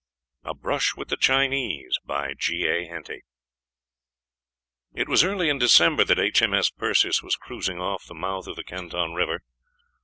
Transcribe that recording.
A BRUSH WITH THE CHINESE It was early in December that H. M. S. Perseus was cruising off the mouth of the Canton River.